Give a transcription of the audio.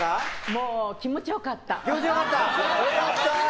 もう、気持ち良かった。